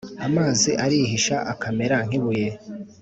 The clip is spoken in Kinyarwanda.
Amazi arihisha akamera nk ibuye